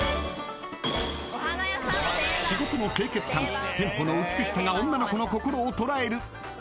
［仕事の清潔感店舗の美しさが女の子の心を捉える］